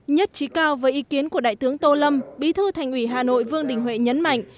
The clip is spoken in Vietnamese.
nhất trí cao với ý kiến của đại tướng tô lâm bí thư thành ủy hà nội vương đình huệ nhấn mạnh